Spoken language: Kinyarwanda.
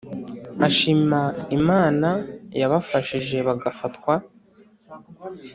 ashima imana yabafashije bagafatwa